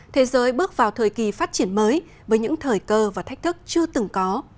thế giới bước vào thời kỳ phát triển mới với những thời cơ và thách thức chưa từng có